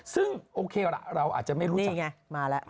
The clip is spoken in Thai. ซึ่งโอเคละเราอาจจะไม่รู้จัก